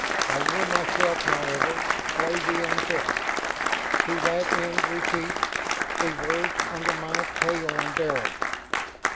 I will myself, however, slay the unfit. To that end repeat The Words under my peyondiring."